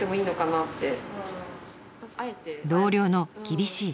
同僚の厳しい指摘。